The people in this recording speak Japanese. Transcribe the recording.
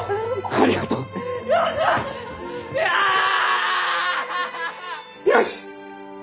ありがとう！ああ！よし！